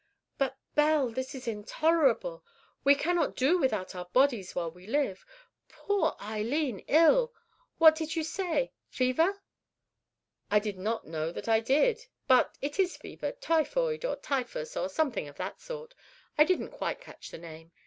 "But, Belle, this is intolerable. We cannot do without our bodies while we live. Poor Eileen ill! What did you say? Fever?" "I do not know that I did; but it is fever—typhoid or typhus, or something of that sort. I didn't quite catch the name.